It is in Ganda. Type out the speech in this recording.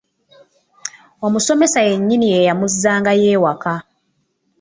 Omusomesa yennyini ye yamuzzangayo ewaka.